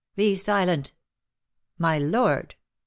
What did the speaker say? "Be silent!" "My lord!"